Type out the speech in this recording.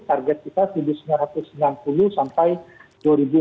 target kita seribu sembilan ratus sembilan puluh sampai dua ribu empat puluh